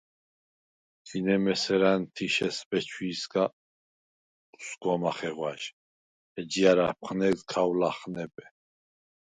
– ჯინემ ესერ ა̈ნთიშეს ბეჩვიჲსგა უსგვა მახეღვა̈ჟ, ეჯჲა̈რ აფხნეგდ ქავ ლახნებე.